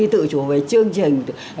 tự chủ về chương trình